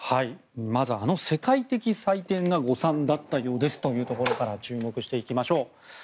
まず世界的祭典が誤算だったようですというところから注目していきましょう。